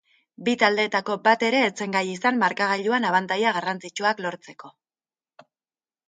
Bi taldeetako bat ere ez zen gai izan markagailuan abantaila garrantzitsuak lortzeko.